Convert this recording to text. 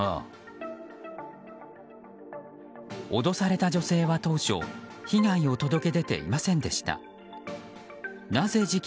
脅された女性は当初被害を届け出ていませんでした。